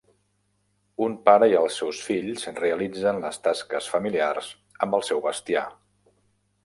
Un pare i els seus fills realitzen les tasques familiars amb el seu bestiar.